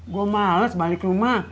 gue males balik rumah